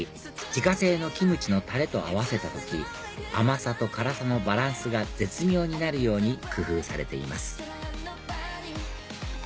自家製のキムチのタレと合わせた時甘さと辛さのバランスが絶妙になるように工夫されています